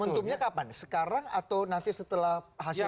momentumnya kapan sekarang atau nanti setelah hasil kpu